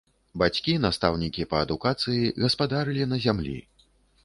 Бацькі, настаўнікі па адукацыі, гаспадарылі на зямлі.